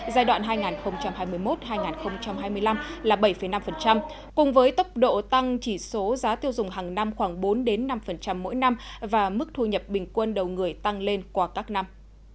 giai đoạn hai nghìn hai mươi một hai nghìn hai mươi năm là bảy năm cùng với tốc độ tăng chỉ số giá tiêu dùng hàng năm khoảng bốn năm mỗi năm và mức thu nhập bình quân đầu người tăng lên qua các năm